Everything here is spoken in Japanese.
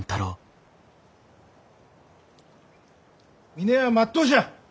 峰屋はまっとうじゃ！